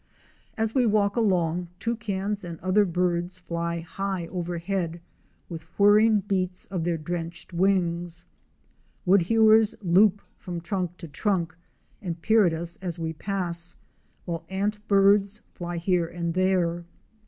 As we walk along, Toucans and other birds fly high overhead with whirring beats of their drenched wings. Woodhewers loop from trunk to trunk and peer at us as we pass, while Ant birds fly here and there.